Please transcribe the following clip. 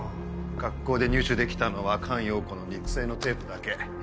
学校で入手できたのは菅容子の肉声のテープだけ。